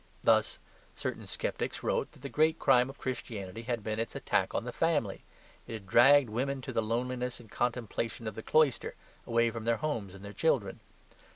Thus, certain sceptics wrote that the great crime of Christianity had been its attack on the family; it had dragged women to the loneliness and contemplation of the cloister, away from their homes and their children.